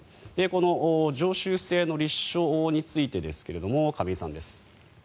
この常習性の立証についてですが亀井さんです。